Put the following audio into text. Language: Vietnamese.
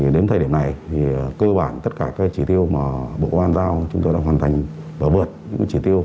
đến thời điểm này cơ bản tất cả các chỉ tiêu mà bộ công an giao chúng tôi đã hoàn thành và vượt những chỉ tiêu